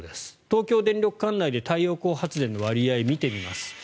東京電力管内で太陽光発電の割合を見てみます。